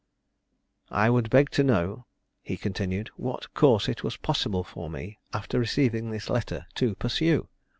"I would beg to know (he continued) what course it was possible for me, after receiving this letter, to pursue?